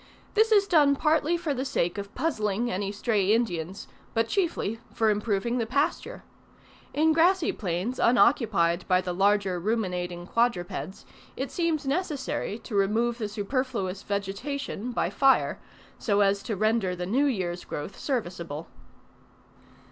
This is done partly for the sake of puzzling any stray Indians, but chiefly for improving the pasture. In grassy plains unoccupied by the larger ruminating quadrupeds, it seems necessary to remove the superfluous vegetation by fire, so as to render the new year's growth serviceable.